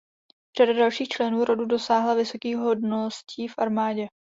Řada dalších členů rodu dosáhla vysokých hodností v armádě.